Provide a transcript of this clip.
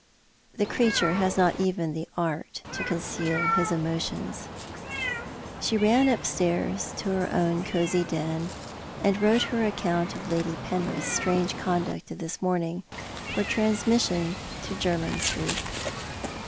The creature has not even the art to conceal his emotions." She ran upstairs to her own cosy den, and wrote Tier account of Lady Penrith's strange conduct of this morning, for transmis sion to Jermyn Street.